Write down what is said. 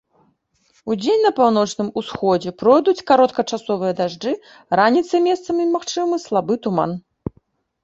Удзень на паўночным усходзе пройдуць кароткачасовыя дажджы, раніцай месцамі магчымы слабы туман.